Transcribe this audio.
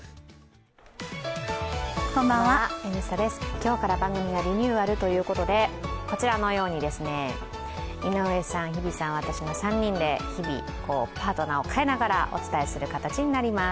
今日から番組がリニューアルということで、こちらのように井上さん、日比さん、私の３人で日々パートナーを変えながらお伝えする番組になります。